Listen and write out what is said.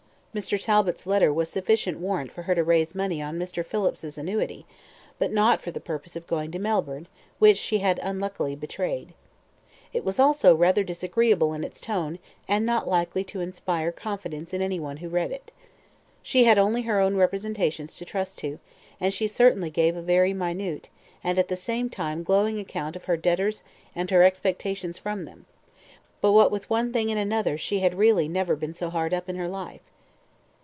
Mr. Talbot's letter was sufficient warrant for her to raise money on Mr. Phillips's annuity, but not for the purpose of going to Melbourne, which she had unluckily betrayed. It was also rather disagreeable in its tone, and not likely to inspire confidence in any one who read it. So she had only her own representations to trust to, and she certainly gave a very minute, and at the same time glowing account of her debtors and her expectations from them; but what with one thing and another she had really never been so hard up in her life.